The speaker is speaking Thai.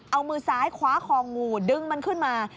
เอามือซ้ายคว้าคองูดึงมันขึ้นมา